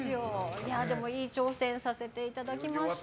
いい挑戦させていただきました。